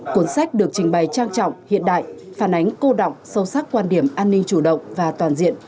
cuốn sách được trình bày trang trọng hiện đại phản ánh cô động sâu sắc quan điểm an ninh chủ động và toàn diện